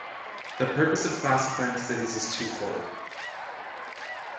The purpose of classifying cities is twofold.